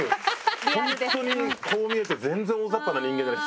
本当にこう見えて全然大ざっぱな人間じゃない。